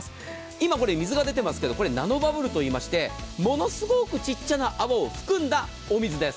今、水が出てますがナノバブルといいましてものすごく小さな泡を含んだお水です。